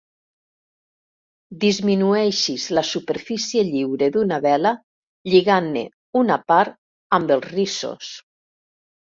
Disminueixis la superfície lliure d'una vela lligant-ne una part amb els rissos.